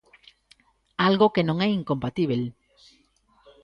Algo que non é incompatíbel.